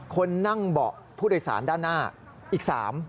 คนนั่งเบาะผู้โดยสารด้านหน้าอีก๓